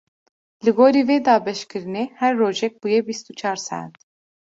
Li gorî vê dabeşkirinê, her rojek bûye bîst û çar saet.